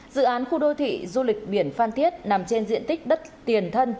dự án khu đô thị du lịch biển phan thiết nằm trên diện tích đất tiền thân